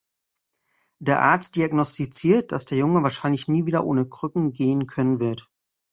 Der Arzt diagnostiziert, dass der Junge wahrscheinlich nie wieder ohne Krücken gehen können wird.